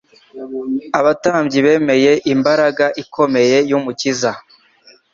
Abatambyi bemeye imbaraga ikomeye y'Umukiza.